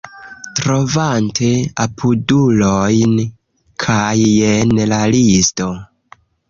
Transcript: Trovante apudulojn kaj jen la listo